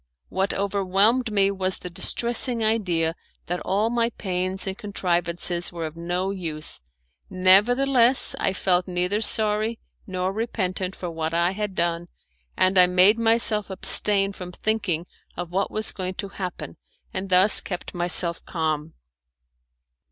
What overwhelmed me was the distressing idea that all my pains and contrivances were of no use, nevertheless I felt neither sorry nor repentant for what I had done, and I made myself abstain from thinking of what was going to happen, and thus kept myself calm.